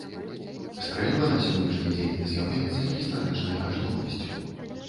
Стрэльба на сённяшні дзень з'яўляецца гістарычнай каштоўнасцю.